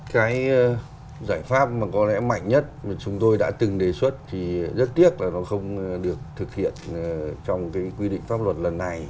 cái giải pháp mà có lẽ mạnh nhất mà chúng tôi đã từng đề xuất thì rất tiếc là nó không được thực hiện trong cái quy định pháp luật lần này